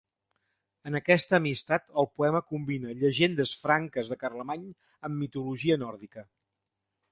En aquesta amistat, el poema combina llegendes franques de Carlemany amb mitologia nòrdica.